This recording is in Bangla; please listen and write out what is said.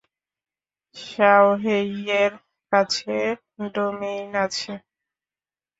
শাওহেইয়ের কাছে ডোমেইন আছে।